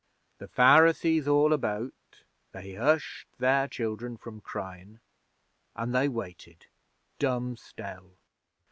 The Pharisees all about they hushed their children from cryin' an' they waited dumb still.